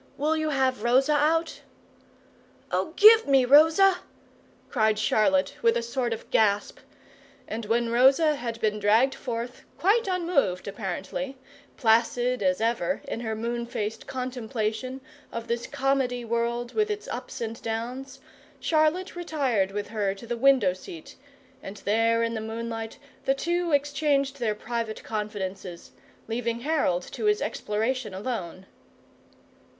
Will you have Rosa out?" "Oh, give me Rosa!" cried Charlotte with a sort of gasp. And when Rosa had been dragged forth, quite unmoved apparently, placid as ever in her moonfaced contemplation of this comedy world with its ups and downs, Charlotte retired with her to the window seat, and there in the moonlight the two exchanged their private confidences, leaving Harold to his exploration alone.